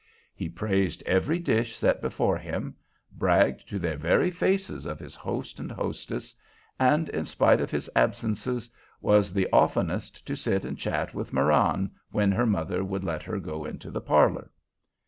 He praised every dish set before him, bragged to their very faces of his host and hostess, and in spite of his absences was the oftenest to sit and chat with Marann when her mother would let her go into the parlor.